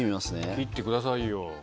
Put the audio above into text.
切ってくださいよ。